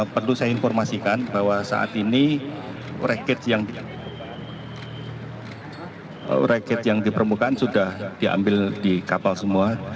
perlu saya informasikan bahwa saat ini racket yang dipermukan sudah diambil di kapal semua